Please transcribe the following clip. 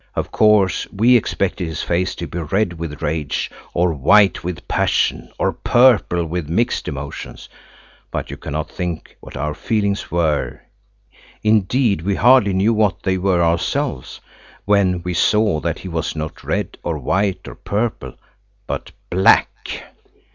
Of course we expected his face to be red with rage, or white with passion, or purple with mixed emotions, but you cannot think what our feelings were–indeed, we hardly knew what they were ourselves–when we saw that he was not red or white or purple, but black.